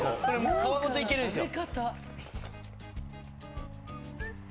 皮ごといけるんすよ。